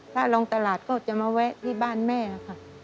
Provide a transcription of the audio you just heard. ถ้าลงตลาดก็จะมาแวะที่บ้านแม่ค่ะ